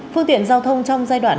phương tiện giao thông trong giai đoạn